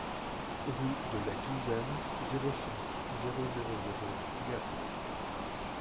Rue de la Guisane, zéro cinq, zéro zéro zéro Gap